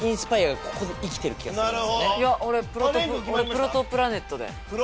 『プロトプラネット』で。